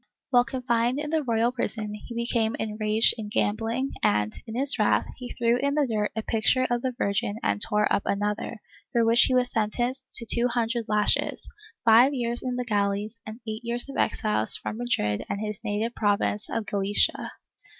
While confined in the royal prison he became enraged in gambling and, in his wrath, he threw in the dirt a picture of the Virgin and tore up another, for which he was sen tenced to two hundred lashes, five years in the galleys and eight years of exile from Madrid and his native province of Galicia.